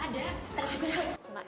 ada ada tugas